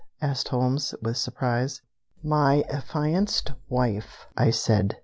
asked Holmes, with surprise. "My affianced wife, I said.